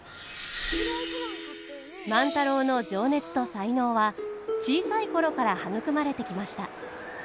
万太郎の情熱と才能は小さい頃から育まれてきました。